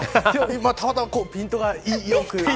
たまたまピントがよく。